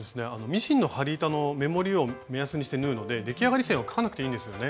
ミシンの針板の目盛りを目安にして縫うので出来上がり線を描かなくていいんですよね。